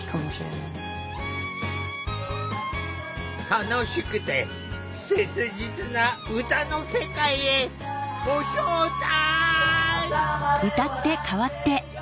楽しくて切実な歌の世界へご招待！